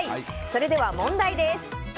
それでは問題です。